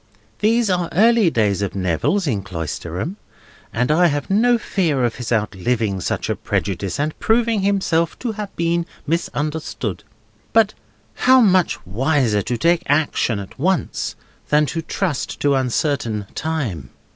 These are early days of Neville's in Cloisterham, and I have no fear of his outliving such a prejudice, and proving himself to have been misunderstood. But how much wiser to take action at once, than to trust to uncertain time!